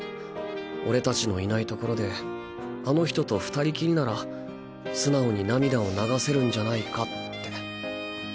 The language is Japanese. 俺達のいないところであの人と２人きりなら素直に涙を流せるんじゃないかって。